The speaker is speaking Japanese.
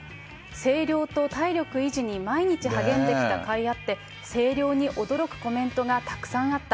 声量と体力維持に毎日励んできたかいあって、声量に驚くコメントがたくさんあった。